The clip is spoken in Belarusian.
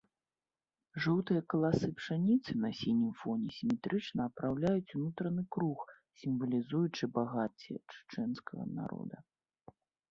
Жоўтыя каласы пшаніцы на сінім фоне сіметрычна апраўляюць унутраны круг, сімвалізуючы багацце чачэнскага народа.